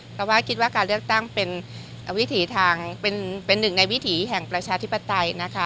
เพราะว่าคิดว่าการเลือกตั้งเป็นวิถีทางเป็นหนึ่งในวิถีแห่งประชาธิปไตยนะคะ